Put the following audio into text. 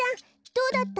どうだった？